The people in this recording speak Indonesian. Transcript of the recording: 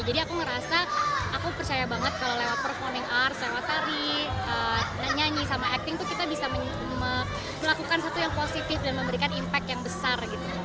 jadi aku ngerasa aku percaya banget kalau lewat performing arts lewat tari nyanyi sama acting tuh kita bisa melakukan sesuatu yang positif dan memberikan impact yang besar gitu